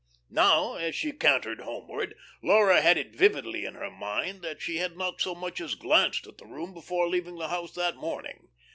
Now, as she cantered homeward, Laura had it vividly in her mind that she had not so much as glanced at the room before leaving the house that morning.